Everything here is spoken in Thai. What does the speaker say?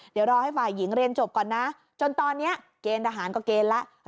เดี๋ยวรอให้ฝ่ายหญิงเรียนจบก่อนนะจนตอนนี้เกณฑ์ทหารก็เกณฑ์แล้ว